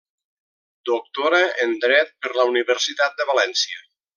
Doctora en Dret per la Universitat de València.